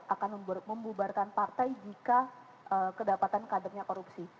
akan membubarkan partai jika kedapatan kadernya korupsi